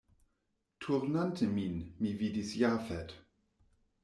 Turnante min, mi vidis Jafet.